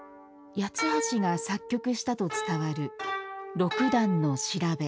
八橋が作曲したと伝わる「六段の調」